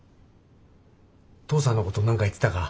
父さんのこと何か言ってたか？